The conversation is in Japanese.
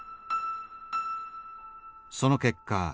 その結果